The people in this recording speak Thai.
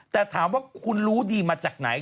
แต่ถามว่าคุณรู้ดีมาจากไหน